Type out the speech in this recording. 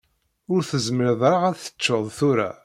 Ur tezmireḍ ara ad teččeḍ tura.